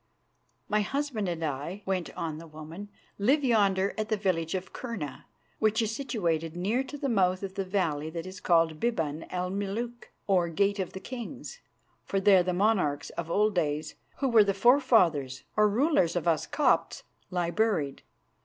"My husband and I," went on the woman, "live yonder at the village of Kurna, which is situated near to the mouth of the valley that is called Biban el Meluk, or Gate of the Kings, for there the monarchs of old days, who were the forefathers or rulers of us Copts, lie buried.